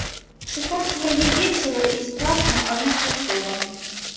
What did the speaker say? Чытаць яе весела і страшна адначасова.